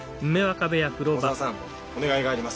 小沢さんお願いがあります。